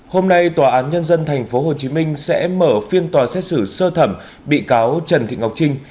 hôm nay tòa án nhân dân tp hcm sẽ mở phiên tòa xét xử sơ thẩm bị cáo trần thị ngọc trinh